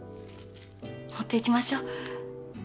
持っていきましょう明日。